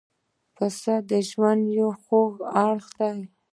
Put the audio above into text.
پسه د ژوند یو خوږ اړخ دی.